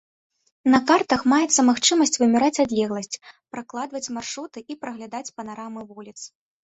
На картах маецца магчымасць вымяраць адлегласць, пракладваць маршруты і праглядаць панарамы вуліц.